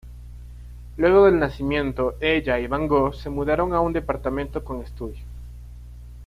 Luego del nacimiento ella y van Gogh se mudaron a un departamento con estudio.